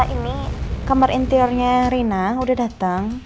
ini kamar intiornya rina udah datang